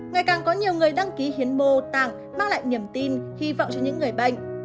ngày càng có nhiều người đăng ký hiến mô tạng mang lại niềm tin hy vọng cho những người bệnh